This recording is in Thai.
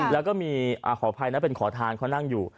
แล้วก็มีขออภัยนะเป็นขอทานเขานั่งอยู่